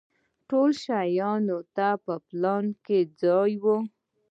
ټولو شیانو ته په پلان کې ځای و.